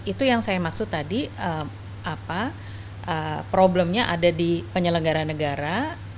itu yang saya maksud tadi problemnya ada di penyelenggara negara